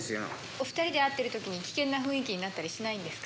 お２人で会ってるときに、危険な雰囲気になったりしないんですか？